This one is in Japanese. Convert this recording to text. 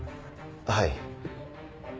はい。